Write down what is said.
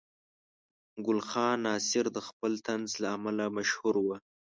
ګل خان ناصر د خپل طنز له امله مشهور و.